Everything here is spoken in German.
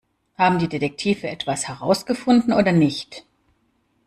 Haben die Detektive etwas herausgefunden oder nicht?